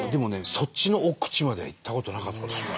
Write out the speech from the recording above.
そっちの奥地までは行ったことなかったですね。